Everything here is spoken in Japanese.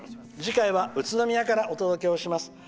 次回は宇都宮からお届けします。